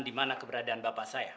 dimana keberadaan bapak saya